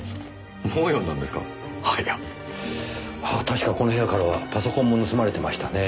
確かこの部屋からはパソコンも盗まれてましたね。